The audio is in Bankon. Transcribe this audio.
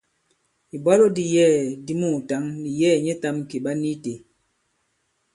Ìbwalo di yɛ̌ɛ̀ di muùtǎŋ nì yɛ̌ɛ̀ nyɛtām kì ɓa ni itē.